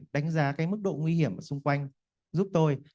đánh giá cái mức độ nguy hiểm ở xung quanh giúp tôi